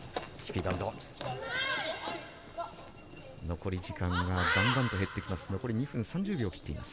残り時間がだんだんと減ってきます。